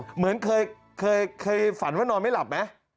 เหมือนเคยฝันว่านอนไม่หลับไหม